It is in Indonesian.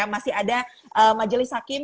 masih ada majelis hakim